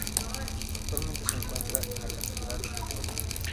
Actualmente se encuentra en la Catedral de León.